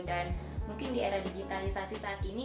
dan mungkin di era digitalisasi saat ini